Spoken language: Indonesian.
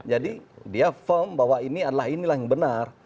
jadi dia firm bahwa ini adalah yang benar